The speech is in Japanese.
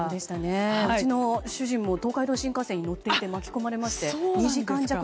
うちの主人も東海道新幹線に乗っていて巻き込まれまして。